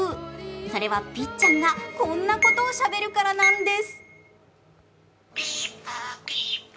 それはぴっちゃんがこんなことをしゃべるからなんです。